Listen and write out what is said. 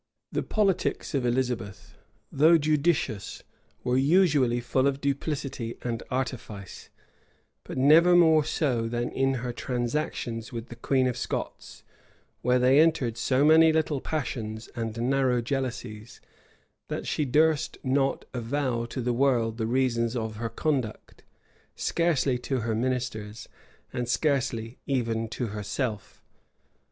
* Keith, p. 274, 275. The politics of Elizabeth, though judicious, were usually full of duplicity and artifice; but never more so than in her transactions with the queen of Scots, where there entered so many little passions and narrow jealousies, that she durst not avow to the world the reasons of her conduct, scarcely to her ministers, and scarcely even to herself.